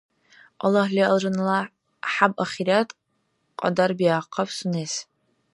Аллагьли алжанала хӀяб-ахират кьадарбиахъаб сунес.